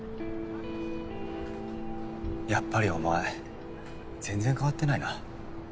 やっぱりお前全然変わってないな。